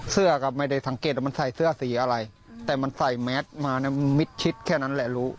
เสื้อก็ไม่ได้สังเกตว่ามันใส่เสื้อสีอะไรแต่มันใส่แมสมาเนี่ยมิดชิดแค่นั้นแหละรู้